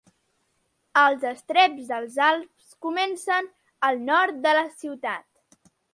Els estreps dels Alps comencen al nord de la ciutat.